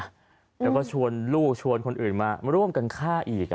แล้วก็ชวนลูกชวนคนอื่นมาร่วมกันฆ่าอีก